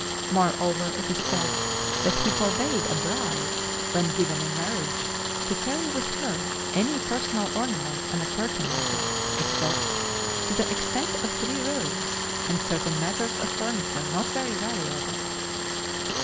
Moreover, it is said that he forbade a bride when given in marriage to carry with her any personal ornaments and appurtenances, except to the extent of three robes and certain matters of furniture not very valuable.